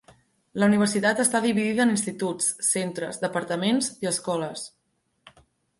La universitat està dividida en instituts, centres, departaments i escoles.